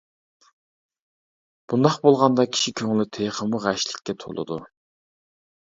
بۇنداق بولغاندا كىشى كۆڭلى تېخىمۇ غەشلىككە تولىدۇ.